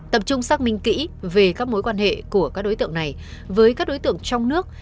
tập trung xác minh kỹ về các mối quan hệ của các đối tượng này với các đối tượng trong nước